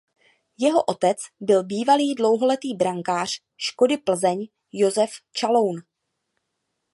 Jeho otec byl bývalý dlouholetý brankář Škody Plzeň Josef Čaloun.